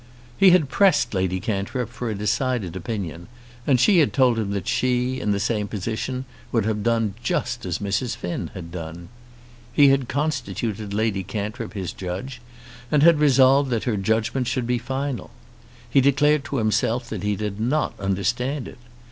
He had pressed Lady Cantrip for a decided opinion, and she had told him that she, in the same position, would have done just as Mrs. Finn had done. He had constituted Lady Cantrip his judge, and had resolved that her judgment should be final. He declared to himself that he did not understand it.